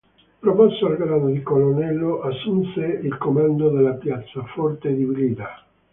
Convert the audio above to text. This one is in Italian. Promosso al grado di colonnello, assunse il comando della piazzaforte di Blida.